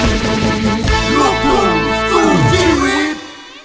รวมคุณสู่ชีวิต